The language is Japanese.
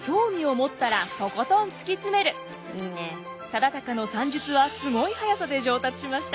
忠敬の算術はすごい速さで上達しました。